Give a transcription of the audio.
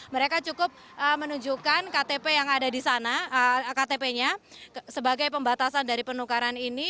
mereka cukup menunjukkan ktp yang ada di sana ktp nya sebagai pembatasan dari penukaran ini